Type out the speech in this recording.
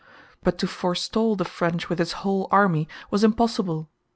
But to forestall the French with his whole army was impossible.